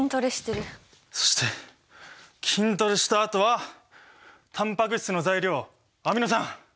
そして筋トレしたあとはタンパク質の材料アミノ酸！